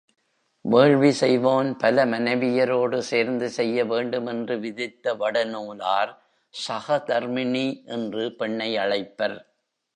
வேள்வி செய்வோன் பல மனைவியரோடு சேர்ந்து செய்ய வேண்டுமென்று விதித்த வடநூலார் சஹதர்மிணி என்று பெண்ணை அழைப்பர்.